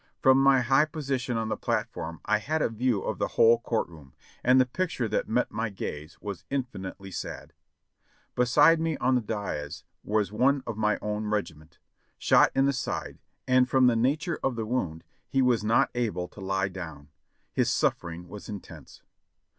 From my high position on the platform I had a view of the whole court room, and the picture that met my gaze was infinitely sad. Beside me on the dais was one of my own regiment, shot in the side, and from the OJ'F DUTY 557 nature of his wound he was not able to He clown; his suffering was intense.